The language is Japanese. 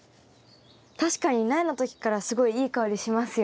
確かに苗の時からすごいいい香りしますよね。